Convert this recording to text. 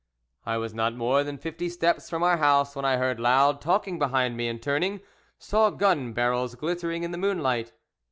I was not more than fifty steps from our house when I heard loud talking behind me, and, turning, saw gun barrels glittering in the moonlight.